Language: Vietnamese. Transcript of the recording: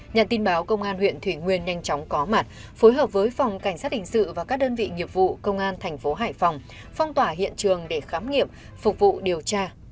nhận tin báo công an huyện thủy nguyên nhanh chóng có mặt phối hợp với phòng cảnh sát hình sự và các đơn vị nghiệp vụ công an thành phố hải phòng phong tỏa hiện trường để khám nghiệm phục vụ điều tra